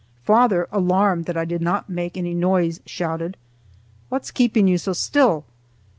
Father, alarmed that I did not make any noise, shouted, "What's keeping you so still?"